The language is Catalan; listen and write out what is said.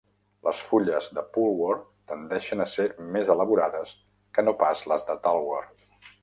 Les fulles de pulwar tendeixen a ser més elaborades que no pas les de talwar.